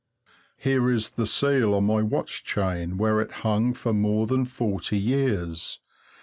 Here is the seal on my watch chain, where it's hung for more than forty years.